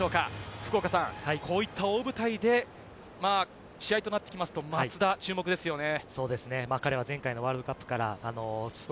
福岡さん、こういった大舞台で試合となってきますと、松田、注目ですよね。